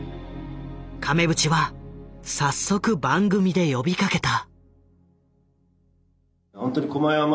亀渕は早速番組で呼びかけた。